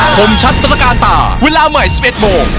คมชัดตรการตาเวลาใหม่๑๑โมง